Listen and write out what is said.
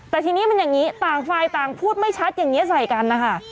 แต่ทีนี้มันอย่างนี้ต่างฝ่ายต่างพูดไม่ชัดอย่างนี้ใส่กันนะคะ